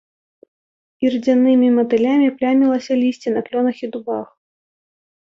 Ірдзянымі матылямі плямілася лісце на клёнах і дубах.